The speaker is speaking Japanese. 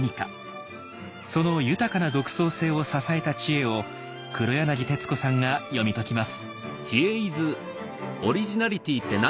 その豊かな独創性を支えた知恵を黒柳徹子さんが読み解きます。